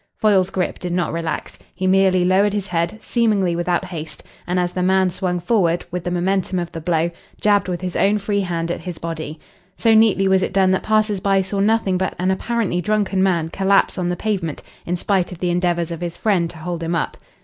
Foyle's grip did not relax. He merely lowered his head, seemingly without haste, and, as the man swung forward with the momentum of the blow, jabbed with his own free hand at his body. So neatly was it done that passers by saw nothing but an apparently drunken man collapse on the pavement in spite of the endeavours of his friend to hold him up.